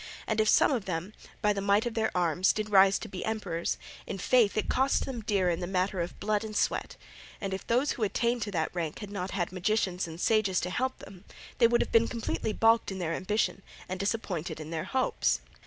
And if some of them by the might of their arms did rise to be emperors, in faith it cost them dear in the matter of blood and sweat; and if those who attained to that rank had not had magicians and sages to help them they would have been completely baulked in their ambition and disappointed in their hopes."